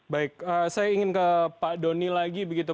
baik saya ingin ke pak doni lagi begitu